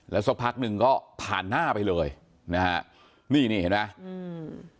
สักพักหนึ่งก็ผ่านหน้าไปเลยนะฮะนี่นี่เห็นไหมอืม